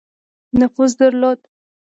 نفوذ درلود.